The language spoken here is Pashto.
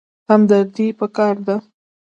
همدردي پکار ده